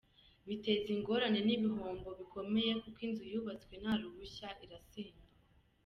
Biteza ingorane n’ibihombo bikomeye kuko inzu yubatswe nta ruhushya irasenywa.